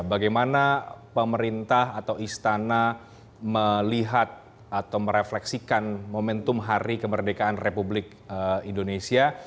bagaimana pemerintah atau istana melihat atau merefleksikan momentum hari kemerdekaan republik indonesia